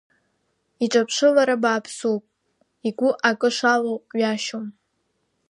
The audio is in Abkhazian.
Иҿаԥшылара бааԥсуп, игәы акы шалоу ҩашьом.